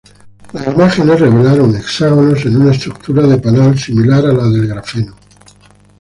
Las imágenes revelaron hexágonos en una estructura de panal similar a la del grafeno.